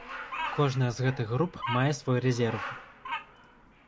Кожная з гэтых груп мае свой рэзерв.